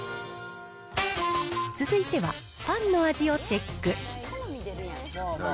続いてはパンの味をチェック。